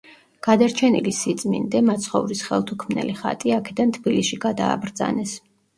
გადარჩენილი სიწმინდე, მაცხოვრის ხელთუქმნელი ხატი, აქედან თბილისში გადააბრძანეს.